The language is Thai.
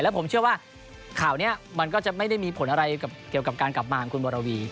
แล้วผมเชื่อว่าข่าวนี้จะไม่มีผลอะไรเกี่ยวกับการกลับมาหากคุณวราวยี